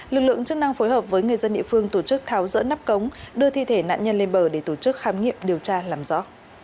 lực lượng chức năng phối hợp với người dân địa phương tổ chức tháo rỡ nắp cống đưa thi thể nạn nhân lên bờ để tổ chức khám nghiệm điều tra làm rõ